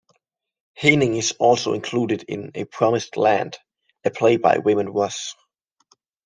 Haining is also included in 'A Promised Land', a play by Raymond Ross.